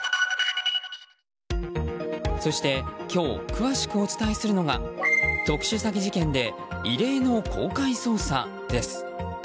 そして今日詳しくお伝えするのが特殊詐欺事件で異例の公開捜査です。